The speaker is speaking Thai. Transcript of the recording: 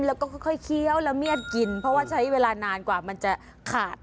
แล้วก็ค่อยเคี้ยวแล้วเมียดกินเพราะว่าใช้เวลานานกว่ามันจะขาด